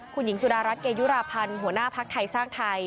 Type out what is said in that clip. คุณหญิงสุดารัฐเกยุราพันธ์หัวหน้าภักดิ์ไทยสร้างไทย